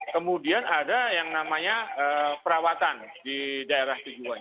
kemudian ada yang namanya perawatan di daerah tujuan